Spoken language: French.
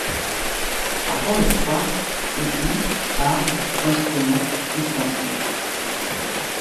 Avant le soir, outils, armes, instruments, ustensiles